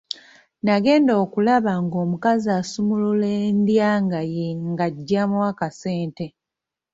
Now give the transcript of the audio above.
Nagenda okulaba ng'omukazi asumulula endyanga ye ng'aggyamu akasente.